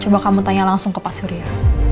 coba kamu tanya langsung ke pak surya